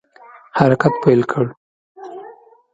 حرکت پیل کړ.